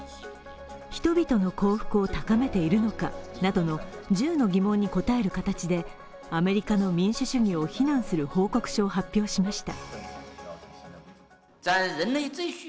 人々の幸福を高めているのかなどの１０の疑問に答える形でアメリカの民主主義を非難する報告書を発表しました。